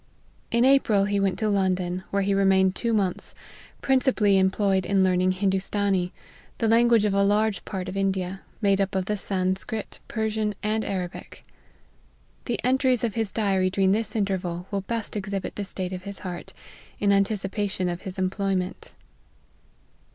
In April he went to London, where he remained two months, principally employed in learning Hin doostanee, the language of a large part of India, made up of the Sanscrit, Persian, and Arabic. The entries of his diary during this interval will best exhibit the state of his heart, in anticipation of his employment.